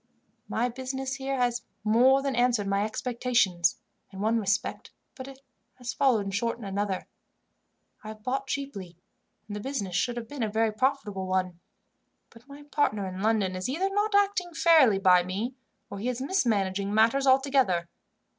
"My business here has more than answered my expectations, in one respect, but has fallen short in another. I have bought cheaply, and the business should have been a very profitable one; but my partner in London is either not acting fairly by me, or he is mismanaging matters altogether.